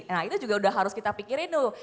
nah itu juga udah harus kita pikirin tuh